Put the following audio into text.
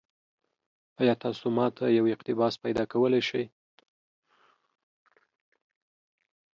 ایا تاسو ما ته یو اقتباس پیدا کولی شئ؟